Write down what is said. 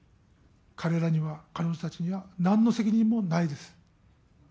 彼らには、彼女たちにはなんの責任もないです。